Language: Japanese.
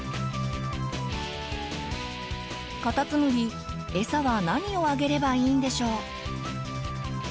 カタツムリエサは何をあげればいいんでしょう？